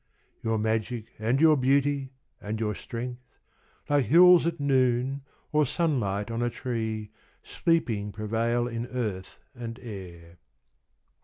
... Your magic and your beauty and your strength, Like hills at noon or sunlight on a tree, Sleeping prevail in earth and air.